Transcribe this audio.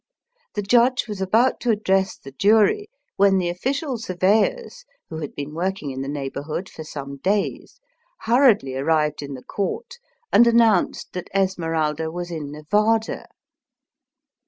The judge was about to address the jury, when the official surveyors, who had been working in the neighbourhood for some days, hurriedly arrived in the court and announced that Esmeralda was in Nevada.